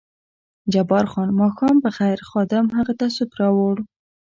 جبار خان: ماښام په خیر، خادم هغه ته سوپ راوړ.